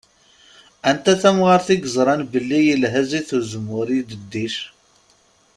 Anta tamɣaṛt i yeẓṛan belli ilha zzit uzemmur i udeddic.